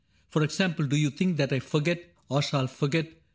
For example, Do you think that I forget, or shall forget.